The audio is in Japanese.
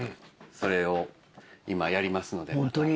それを今やりますのでまた。